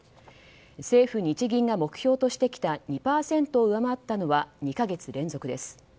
政府・日銀が目標としてきた２％を上回ったのは２か月連続です。